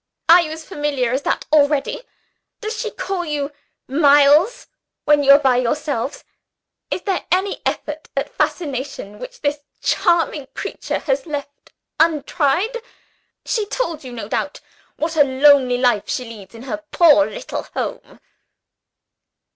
"Are you as familiar as that already? Does she call you 'Miles,' when you are by yourselves? Is there any effort at fascination which this charming creature has left untried? She told you no doubt what a lonely life she leads in her poor little home?"